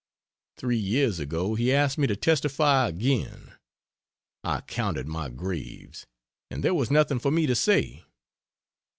Three years ago he asked me to testify again: I counted my graves, and there was nothing for me to say.